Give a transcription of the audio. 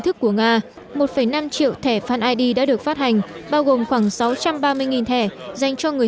thức của nga một năm triệu thẻ fan id đã được phát hành bao gồm khoảng sáu trăm ba mươi thẻ dành cho người